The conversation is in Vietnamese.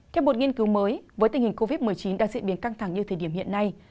theo một nghiên cứu mới với tình hình covid một mươi chín đang diễn biến căng thẳng như thời điểm hiện nay